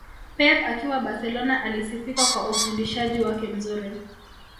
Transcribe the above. Pep akiwa Barcelona alisifika kwa ufundishaji wake mzuri